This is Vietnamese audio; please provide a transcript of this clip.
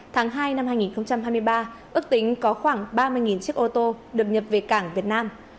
tháng hai năm hai nghìn hai mươi ba ước tính có khoảng ba mươi chiếc ô tô được nhập về cảng việt nam